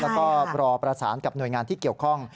แล้วก็รอประสานกับหน่วยงานที่เกี่ยวข้อง